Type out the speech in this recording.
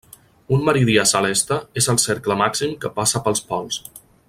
Un meridià celeste és el cercle màxim que passa pels pols.